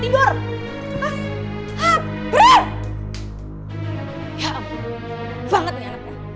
banget nih anaknya